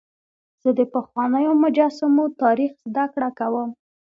زه د پخوانیو مجسمو تاریخ زدهکړه کوم.